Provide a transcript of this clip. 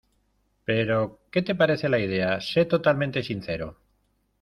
Pero... ¿Qué te parece la idea? Sé totalmente sincero.